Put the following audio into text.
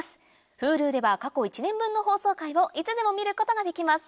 Ｈｕｌｕでは過去１年分の放送回をいつでも見ることができます